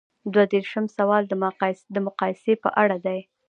دوه دیرشم سوال د مقایسې په اړه دی.